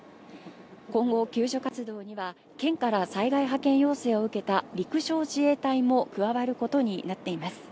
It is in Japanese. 今後、救助活動には県から災害派遣要請を受けた陸上自衛隊も加わることになっています。